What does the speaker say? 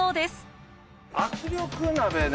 圧力鍋ね